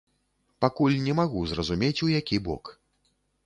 Пакуль не магу зразумець, у які бок.